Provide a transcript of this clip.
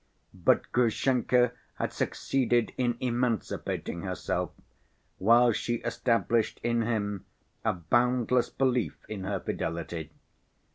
But Grushenka had succeeded in emancipating herself, while she established in him a boundless belief in her fidelity.